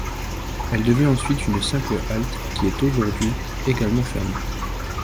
Elle devient ensuite une simple halte qui est aujourd'hui également fermée.